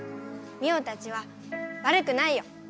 ミオたちはわるくないよ。